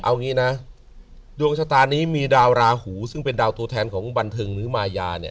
เอางี้นะดวงชะตานี้มีดาวราหูซึ่งเป็นดาวตัวแทนของบันเทิงหรือมายาเนี่ย